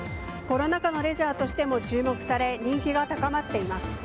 コロナ禍のレジャーとしても注目され人気が高まっています。